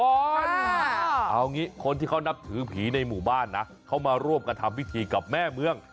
เอางี้คนที่เขานับถือผีในหมู่บ้านนะเขามาร่วมกันทำพิธีกับแม่เมือง